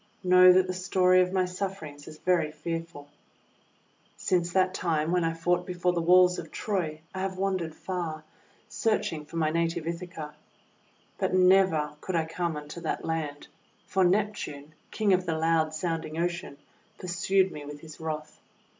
Know that the story of my sufferings is very fearful. THE BAG OF WINDS 269 Since that time when I fought before the walls of Troy I have wandered far, searching for my native Ithaca. But never could I come unto that land, for Neptune, King of the loud sound ing Ocean, pursued me with his wrath.